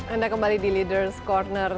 anda kembali di leaders' corner